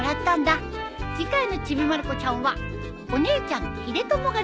次回の『ちびまる子ちゃん』は。